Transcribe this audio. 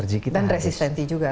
dan resistensi juga